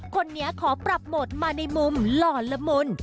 คนนี้ขอปรับโหมดมาในมุมหล่อนละมุน